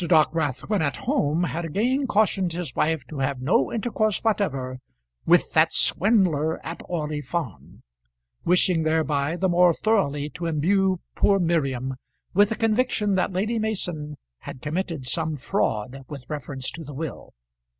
Dockwrath when at home had again cautioned his wife to have no intercourse whatever "with that swindler at Orley Farm," wishing thereby the more thoroughly to imbue poor Miriam with a conviction that Lady Mason had committed some fraud with reference to the will.